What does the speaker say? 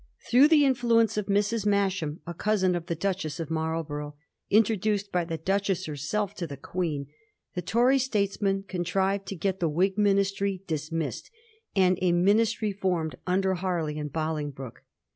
Through the influence of Mrs. Masham, a cousin of the Duchess of Marlborough introduced by the Duchess herself to the Queen, the Tory statesmen contrived to get the Whig ministry dismissed, and a ministry formed under Harley and Bolingbroke.